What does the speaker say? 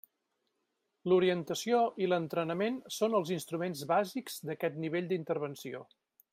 L'orientació i l'entrenament són els instruments bàsics d'aquest nivell d'intervenció.